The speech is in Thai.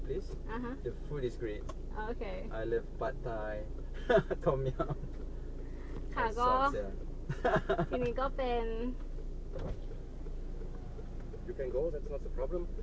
ผมชอบไปที่สุขมวิทที่เกี่ยวกับที่เกี่ยวกับผม